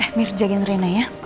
eh mirjagen rena ya